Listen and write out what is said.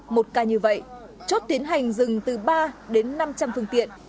một ca như vậy chốt tiến hành dừng từ ba đến năm trăm linh phương tiện